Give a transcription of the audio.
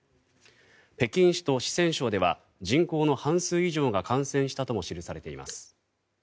北京市と四川省では人口の半数以上が感染したとも記されています。